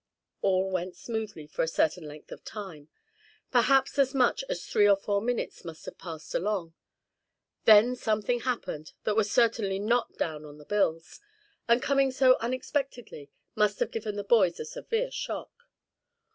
All went smoothly for a certain length of time; perhaps as much as three or four minutes may have passed along. Then something happened that was certainly not down on the bills; and coming so unexpectedly must have given the boys a severe shock.